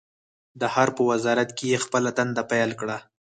د حرب په وزارت کې يې خپله دنده پیل کړه.